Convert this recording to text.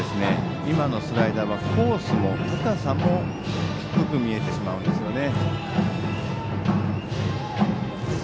今のスライダーはコースも高さも低く見えてしまうんですね。